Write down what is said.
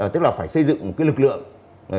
tức là phải xây dựng một lực lượng